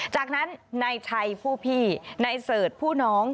จากนั้นนายชัยผู้พี่นายเสิร์ชผู้น้อง